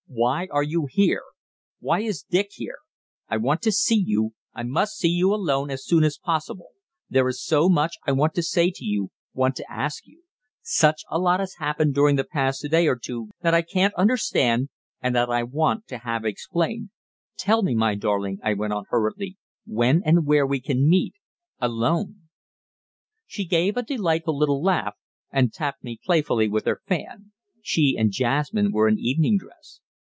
Why are you here? Why is Dick here? I want to see you I must see you alone as soon as possible there is so much I want to say to you, want to ask you; such a lot has happened during the past day or two that I can't understand, and that I want to have explained. Tell me, my darling," I went on hurriedly, "when and where can we can meet alone?" She gave a delightful little laugh, and tapped me playfully with her fan she and Jasmine were in evening dress.